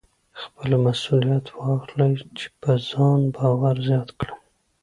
خپله مسوليت واخلئ چې په ځان باور زیات کړئ.